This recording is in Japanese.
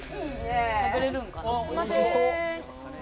食べられるんかな？